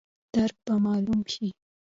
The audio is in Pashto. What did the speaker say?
درک به مالوم شي.